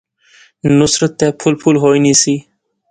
نصرت تے پُھل پُھل ہوئی نی سی